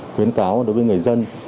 khuyến cáo đối với người dân